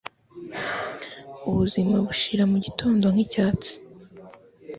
ubuzima bishira mu gitondo nk'icyatsi